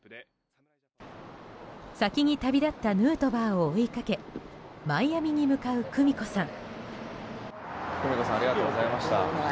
先に旅立ったヌートバーを追いかけマイアミに向かう久美子さん。